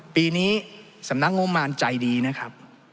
ปีนี้สำนักงบมารใจดีนะครับ